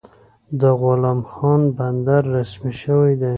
د غلام خان بندر رسمي شوی دی؟